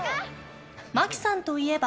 真木さんといえば。